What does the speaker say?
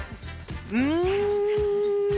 うん。